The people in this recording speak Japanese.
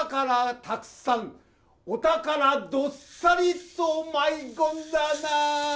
たくさんお宝どっさりと舞い込んだなぁ。